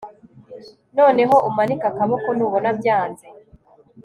noneho umanike akaboko nubona byanze